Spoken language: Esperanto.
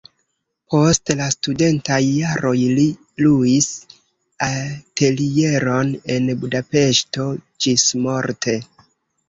Post la studentaj jaroj li luis atelieron en Budapeŝto ĝismorte.